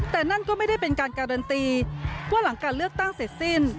แต่นั่นก็ไม่ได้เป็นการการันตีว่าหลังการเลือกตั้งเสร็จสิ้น